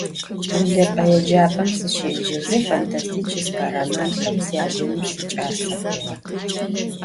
Vublep'e yêcap'em sışêceze fantastiçêske romanxem syacenır siç'ase xhuğe.